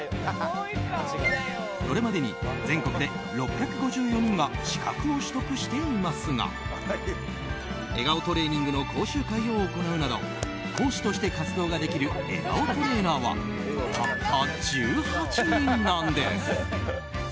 これまでに全国で６５４人が資格を取得していますが笑顔トレーニングの講習会を行うなど講師として活動ができる笑顔トレーナーはたった１８人なんです。